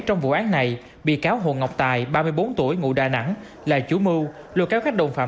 trong vụ án này bị cáo hồ ngọc tài ba mươi bốn tuổi ngụ đà nẵng là chủ mưu lôi kéo các đồng phạm